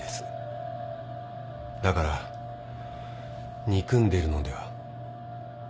だから憎んでいるのでは？